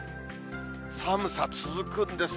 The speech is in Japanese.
寒さ続くんですね。